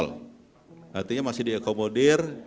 kalau tahun lalu ini masih dikomodir